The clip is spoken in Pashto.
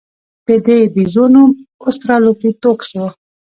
د دې بیزو نوم اوسترالوپیتکوس و.